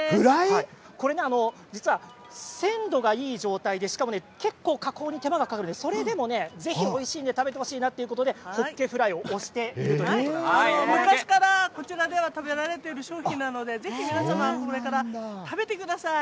これね、鮮度がいい状態でしかも結構、加工に手間がかかるそれでも、ぜひおいしいので食べてほしいなということでほっけフライを推している昔から、こちらでは食べられている商品なのでぜひ皆さまこれから食べてください。